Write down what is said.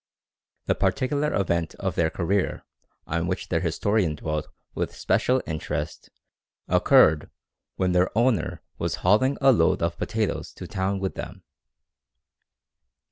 The particular event of their career on which their historian dwelt with special interest occurred when their owner was hauling a load of potatoes to town with them.